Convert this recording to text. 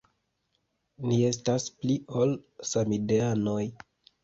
Ni estas pli ol samideanoj.